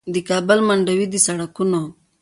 د کابل منډوي د سړکونو